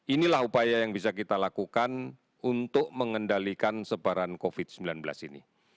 inilah upaya yang bisa kita lakukan untuk mengendalikan sebaran covid sembilan belas ini